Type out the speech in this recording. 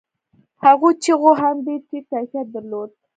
هغو چيغو هم ډېر ټيټ کيفيت درلود.